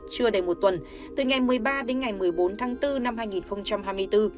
chưa đầy một tuần từ ngày một mươi ba đến ngày một mươi bốn tháng bốn năm hai nghìn hai mươi bốn